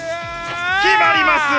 決まります。